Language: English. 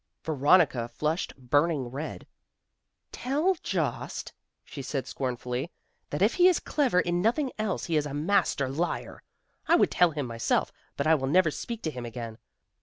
Veronica flushed burning red. "Tell Jost," she said, scornfully, "that if he is clever in nothing else he is a master liar. I would tell him myself, but I will never speak to him again.